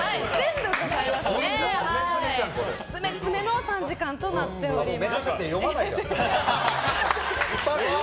詰め詰めの３時間となっております！